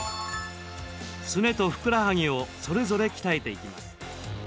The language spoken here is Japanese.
すねと、ふくらはぎをそれぞれ鍛えていきます。